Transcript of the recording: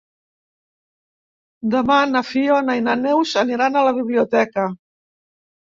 Demà na Fiona i na Neus aniran a la biblioteca.